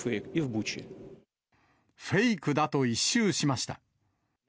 フェイクだと一蹴しました。